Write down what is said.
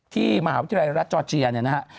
ที่มหาวิทยาลัยรัฐจอเจียนะครับ